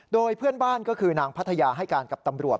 โดยเพื่อนบ้านก็คือนางพัทยาให้การกับตำรวจ